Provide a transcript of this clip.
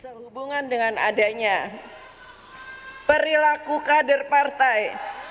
sehubungan dengan adanya perilaku kader partai